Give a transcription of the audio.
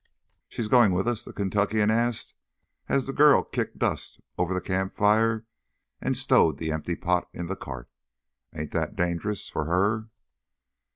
"She goin' with us?" the Kentuckian asked, as the girl kicked dust over the campfire and stowed the empty pot in the cart. "Ain't that dangerous—for her?"